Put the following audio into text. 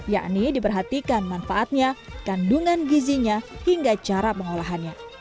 yakni diperhatikan manfaatnya kandungan gizinya hingga cara pengolahannya